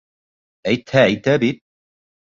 Әйтһә, әйтә бит!